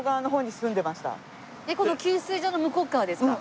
この給水所の向こう側ですか？